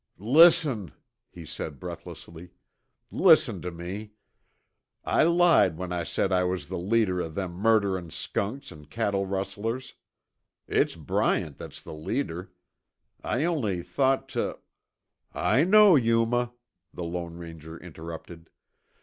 "Listen," he said breathlessly, "listen tuh me. I lied when I said I was the leader o' them murderin' skunks an' cattle rustlers. It's Bryant that's the leader. I only thought tuh " "I know, Yuma," the Lone Ranger interrupted.